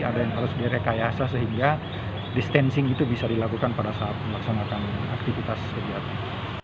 ada yang harus direkayasa sehingga distancing itu bisa dilakukan pada saat melaksanakan aktivitas kegiatan